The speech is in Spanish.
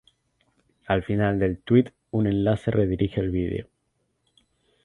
Al final del tuit, un enlace redirige al video.